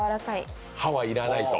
歯は要らないと。